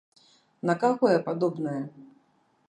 На каго я падобная?